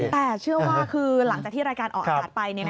แต่เชื่อว่าคือหลังจากที่รายการออกอากาศไป